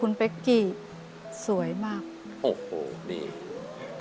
อเรนนี่คือเหตุการณ์เริ่มต้นหลอนช่วงแรกแล้วมีอะไรอีก